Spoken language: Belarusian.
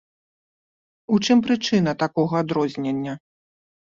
У чым прычына такога адрознення?